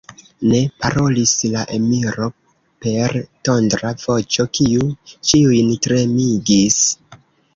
Ne! parolis la emiro per tondra voĉo, kiu ĉiujn tremigis.